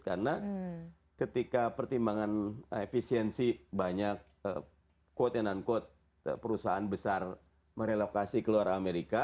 karena ketika pertimbangan efisiensi banyak quote and unquote perusahaan besar merelokasi ke luar amerika